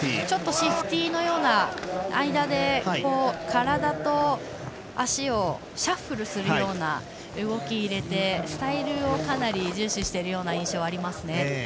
シフティーのような間で体と足をシャッフルするような動きを入れてスタイルをかなり重視している印象があります。